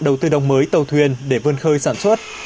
đầu tư đồng mới tàu thuyền để vươn khơi sản xuất